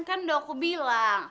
kan udah aku bilang